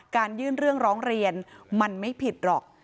ยื่นเรื่องร้องเรียนมันไม่ผิดหรอก